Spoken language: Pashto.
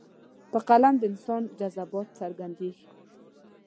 په قلم د انسان جذبات څرګندېږي.